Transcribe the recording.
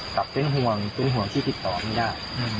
ครับเป็นห่วงเป็นห่วงที่ติดต่อไม่ได้